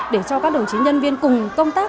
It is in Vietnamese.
để cho các đồng chí nhân viên cùng công tác